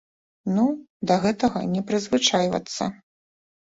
Ну, да гэтага не прызвычайвацца.